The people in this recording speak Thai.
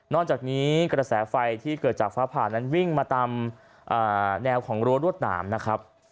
จากนี้กระแสไฟที่เกิดจากฟ้าผ่านั้นวิ่งมาตามแนวของรั้วรวดหนามนะครับ